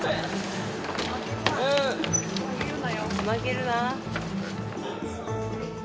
・負けるな。